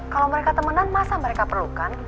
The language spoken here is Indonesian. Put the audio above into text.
kalau mereka temenan masa mereka perlukan